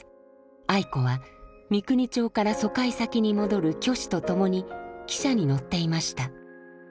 愛子は三国町から疎開先に戻る虚子と共に汽車に乗っていました。